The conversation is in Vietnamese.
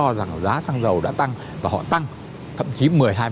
lý do rằng là giá xăng dầu đã tăng và họ tăng thậm chí một mươi hai mươi